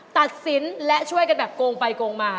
ตัดสินและช่วยกันแบบโกงไปโกงมา